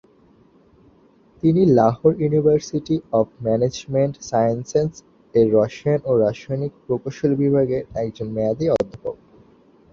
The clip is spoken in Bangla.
তিনি Lahore university of management sciences এর রসায়ন ও রাসায়নিক প্রকৌশল বিভাগের একজন মেয়াদী অধ্যাপক।